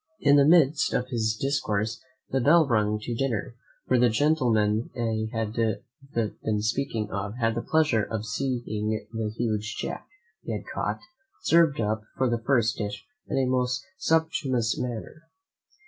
In the midst of his discourse the bell rung to dinner, where the gentleman I have been speaking of had the pleasure of seeing the huge jack, he had caught, served up for the first dish in a most sumptuous manner.